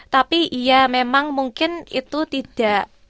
tapi ya memang mungkin itu tidak